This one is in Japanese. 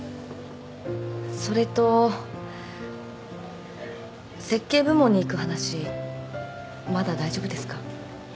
それと設計部門に行く話まだ大丈夫ですか？